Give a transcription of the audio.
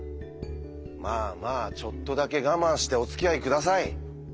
まあまあちょっとだけ我慢しておつきあい下さい。